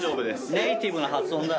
ネイティブな発音だ。